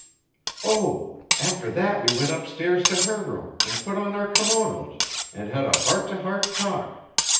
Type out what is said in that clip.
"Oh! After that we went up stairs to her room, and put on our kimonos, and had a heart to heart talk.